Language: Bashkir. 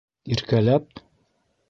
— Иркәләп?!